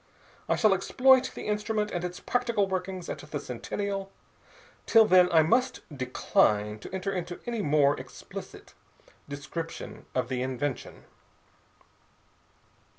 I shall exploit the instrument and its practical workings at the Centennial. Till then I must decline to enter into any more explicit description of the invention."